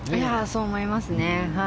そう思いますね。